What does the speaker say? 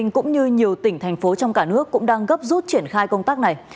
cũng như nhiều tỉnh thành phố trong cả nước cũng đang gấp rút triển khai công tác này